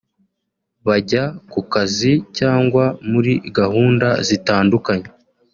bajya ku kazi cyangwa muri gahunda zitandukanye